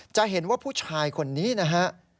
จะเห็นว่าผู้ชายคนนี้นะฮะ